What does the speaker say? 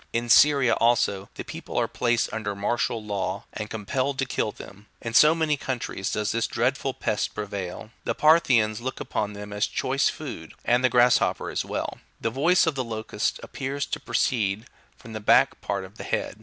In Syria, also, the people are placed under martial law, and compelled to kill them : in so many countries does this dreadful pest prevail. The Parthians look upon them as a choice food,33 and the grasshopper as well. The voice of the locust appears to proceed from the back part of the head.